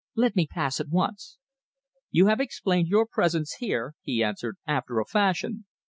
Let me pass at once." "You have explained your presence here," he answered, "after a fashion!